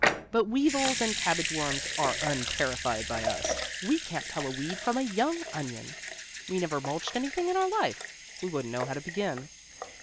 But weevils and cabbage worms are unterrified by us. We can't tell a weed from a young onion. We never mulched anything in our life; we wouldn't know how to begin.